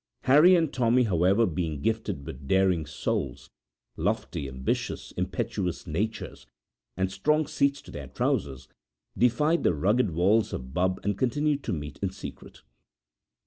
Harry and Tommy, however, being gifted with daring souls, lofty, ambitious, impetuous natures, and strong seats to their trousers, defied the rugged walls of Bubb and continued to meet in secret.